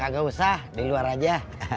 gak usah di luar aja